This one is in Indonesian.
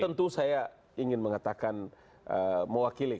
tentu saya ingin mengatakan mewakili kata diksi